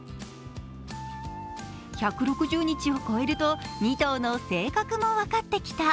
１６０日を超えると２頭の性格も分かってきた。